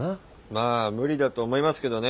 まあ無理だと思いますけどね。